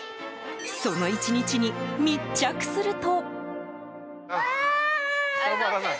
その１日に密着すると。